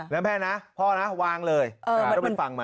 แม่นะพ่อนะวางเลยไม่ต้องไปฟังมัน